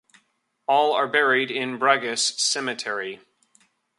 All are buried in Brigus Cemetery.